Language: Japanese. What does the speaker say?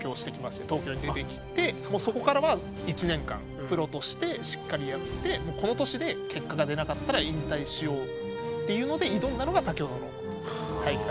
東京に出てきてもうそこからは１年間プロとしてしっかりやってこの年で結果が出なかったら引退しようっていうので挑んだのが先ほどの大会。